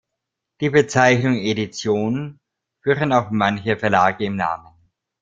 Die Bezeichnung "Edition" führen auch manche Verlage im Namen.